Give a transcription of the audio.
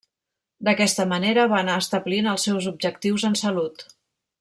D'aquesta manera va anar establint els seus objectius en salut.